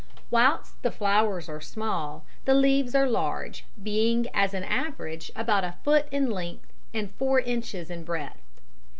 Whilst the flowers are small, the leaves are large, being as an average about a foot in length and four inches in breadth.